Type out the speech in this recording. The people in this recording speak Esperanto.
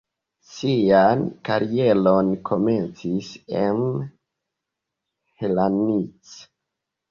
Sian karieron komencis en Hranice.